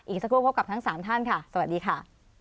อีกสักครู่พบกับทั้งสามท่านค่ะสวัสดีค่ะ